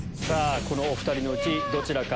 このお２人のうちどちらか。